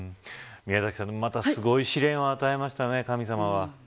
宮崎さん、またすごい試練を与えましたね、神様は。